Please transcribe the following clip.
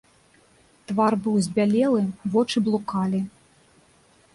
Твар быў збялелы, вочы блукалі.